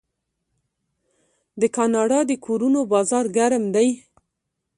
د کاناډا د کورونو بازار ګرم دی.